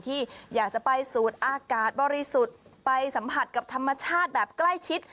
ที่อยากจะไปสูดอากาศบริสุทธิ์ไปสัมผัสกับธรรมชาติแบบใกล้ชิด